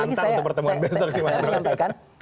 mungkin sebagai pengantar untuk pertemuan besok sih mas roy